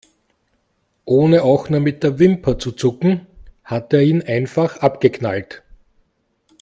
Ohne auch nur mit der Wimper zu zucken, hat er ihn einfach abgeknallt.